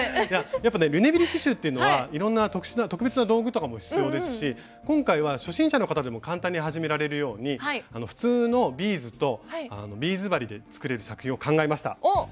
やっぱねリュネビル刺しゅうっていうのはいろんな特別な道具とかも必要ですし今回は初心者の方でも簡単に始められるように普通のビーズとビーズ針で作れる作品を考えました。